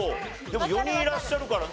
でも４人いらっしゃるから。